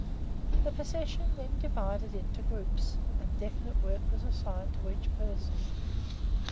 The procession then divided into groups, and definite work was assigned to each person.